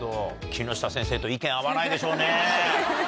木下先生と意見合わないでしょうね。